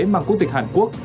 mang quốc tịch hàn quốc